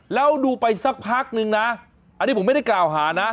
แล้วดูไปสักพักนึงนะอันนี้ผมไม่ได้กล่าวหานะ